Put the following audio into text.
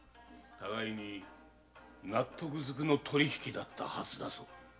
互いに納得ずくの取り引きだったはずだぞ。